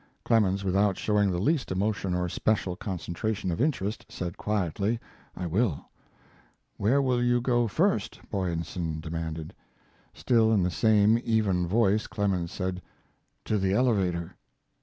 Clemens, without showing the least emotion or special concentration of interest, said quietly: "I will." "Where will you go first," Boyesen demanded. Still in the same even voice Clemens said: "To the elevator."